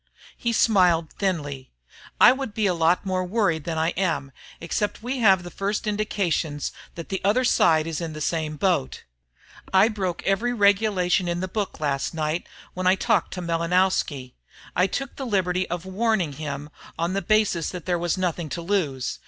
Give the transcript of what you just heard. He smiled thinly. "I would be a lot more worried than I am except we have the first indications that the other side is in the same boat. I broke every regulation in the book last night when I talked to Malinowski. I took the liberty of warning him, on the basis that there was nothing to lose.